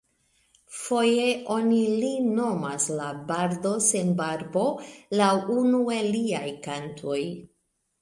Foje oni lin nomas la "Bardo sen barbo", laŭ unu el liaj kantoj.